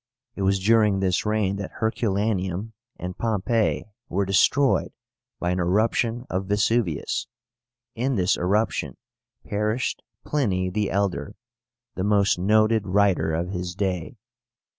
It was during this reign that HERCULANEUM and POMPEII were destroyed by an eruption of Vesuvius. In this eruption perished PLINY THE ELDER, the most noted writer of his day.